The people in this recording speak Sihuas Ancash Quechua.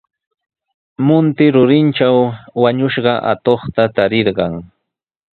Munti rurintraw wañushqa atuqta tarirqan.